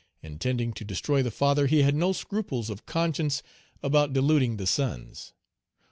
Intending to destroy the father, he had no scruples of conscience about deluding the sons.